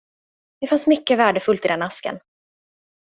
Det fanns mycket värdefullt i den asken.